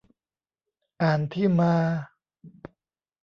อ่านที่มา